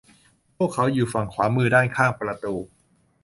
พวกเขาอยู่ฝั่งขวามือด้านข้างประดู